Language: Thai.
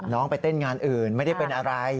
ไปเต้นงานอื่นไม่ได้เป็นอะไร